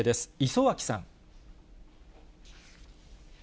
磯脇さん。